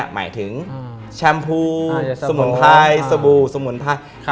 หมายถึงแชมพูสมุนไพรสบู่สมุนไพร